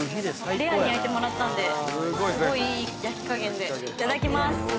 レアに焼いてもらったんですごいいい焼き加減で。